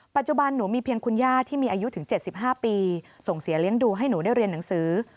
ปัจจุบันหนูมีเพียงคุณย่าที่มีอายุถึง๗๕ปีส่งเสียเลี้ยงดูให้หนูได้เรียนหนังสือ